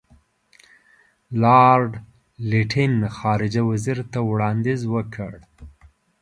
لارډ لیټن خارجه وزیر ته وړاندیز وکړ.